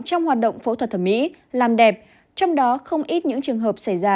trong hoạt động phẫu thuật thẩm mỹ làm đẹp trong đó không ít những trường hợp xảy ra